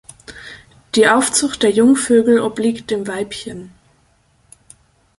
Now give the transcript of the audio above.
Die Aufzucht der Jungvögel obliegt dem Weibchen.